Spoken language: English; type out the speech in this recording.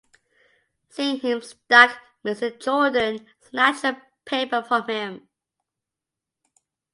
Seeing him stuck, Mr. Jordan snatched the paper from him.